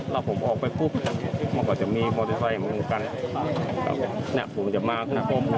และผมออกไปปุ๊บบ้านเขาจะมีมอเตศร์ไฟเหมือนกันครับ